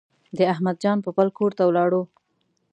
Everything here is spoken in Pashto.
د احمد جان پوپل کور ته ولاړو.